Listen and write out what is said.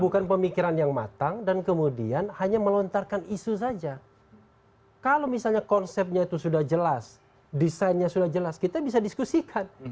bukan pemikiran yang matang dan kemudian hanya melontarkan isu saja kalau misalnya konsepnya itu sudah jelas desainnya sudah jelas kita bisa diskusikan